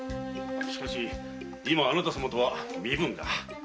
しかし今あなた様とは身分が。